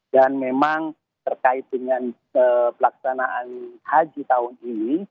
dan memang terkait dengan pelaksanaan haji tahun ini